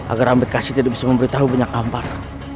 agar amrit kashi tidak bisa memberitahu punya kampar